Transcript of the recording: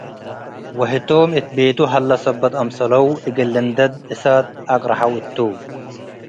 ወህቶም እት ቤቱ ሀለ' ሰበት አምሰለው፣ እግል ልንደድ እሳት አቅረሐው እቱ'።